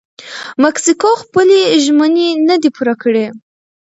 مکسیکو خپلې ژمنې نه دي پوره کړي.